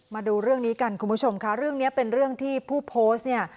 มาดูเรื่องนี้กันคุณผู้ชมค่ะเรื่องนี้เป็นเรื่องที่ผู้โพสต์เนี่ย